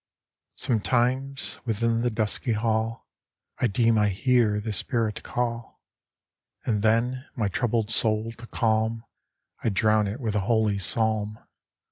IX. Sometimes, within the dusky hall, 1 deem I hear the spirit call, And then, my troubled soul to calm, I drown it with a holy psalm.